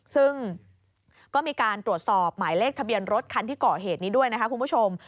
ซึ่งก็มีการตรวจสอบหมายเลขทะเบียนรถคันที่เกาะเหตุนี้ด้วยนะคะคุณผู้ชม